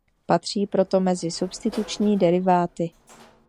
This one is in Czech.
Patří proto mezi substituční deriváty.